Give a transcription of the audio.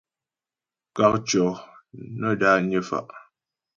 Kákcyɔ́ nə́ dányə́ fá'.